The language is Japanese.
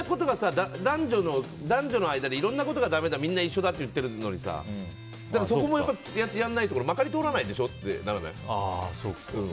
男女の間でいろんなことがだめだみんな一緒だっていってるのにそこもやらないとまかり通らないでしょってならない？